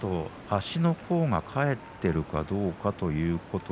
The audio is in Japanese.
足の甲が返っているかどうか。